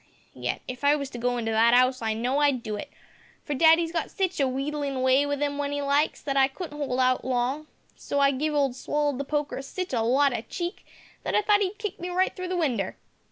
yet if I was to go into that 'ouse I know I'd do it, for daddy's got sitch a wheedlin' way with 'im w'en 'e likes, that I couldn't 'old hout long so I giv' old Swallowed the poker sitch a lot o' cheek that I thought 'e'd kick me right through the winder.